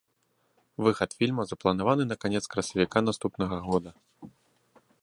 Выхад фільма запланаваны на канец красавіка наступнага года.